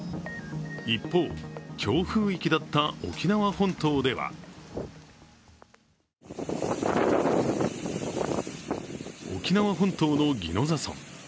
一方、強風域だった沖縄本島では沖縄本島の宜野座村。